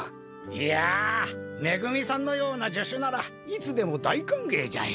いやあ恵さんのような助手ならいつでも大歓迎じゃよ。